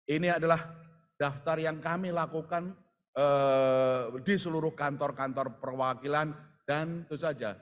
ini adalah daftar yang kami lakukan di seluruh kantor kantor perwakilan dan itu saja